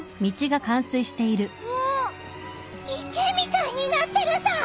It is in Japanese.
池みたいになってるさ！